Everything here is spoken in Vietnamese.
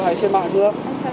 hay trên mạng chưa